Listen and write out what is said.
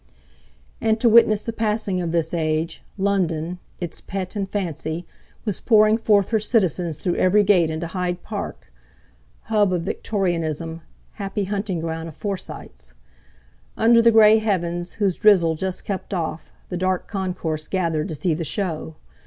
And to witness the passing of this Age, London—its pet and fancy—was pouring forth her citizens through every gate into Hyde Park, hub of Victorianism, happy hunting ground of Forsytes. Under the grey heavens, whose drizzle just kept off, the dark concourse gathered to see the show.